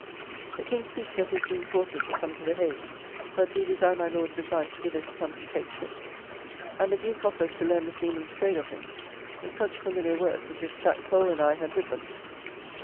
The King speaks of his being courted to come to the Hague, but do desire my Lord's advice whither to come to take ship. And the Duke offers to learn the seaman's trade of him, in such familiar words as if Jack Cole and I had writ them.